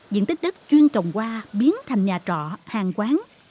diện tích đất chuyên trồng qua biến thành nhà trọ hàng quán